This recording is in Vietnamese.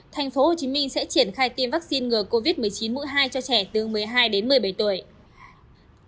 tp hcm sẽ triển khai tiêm vaccine ngừa covid một mươi chín mũi hai cho trẻ từ một mươi hai đến một mươi bảy tuổi